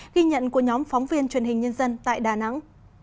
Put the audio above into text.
ghi nhận của nhóm phóng viên truyền hình nhân dân tại đà nẵng